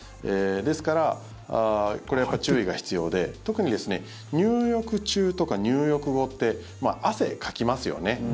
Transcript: ですからこれは注意が必要で特に入浴中とか入浴後って汗かきますよね。